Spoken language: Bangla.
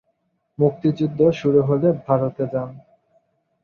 মুক্তিযুদ্ধ শুরু হলে ভারতে যান।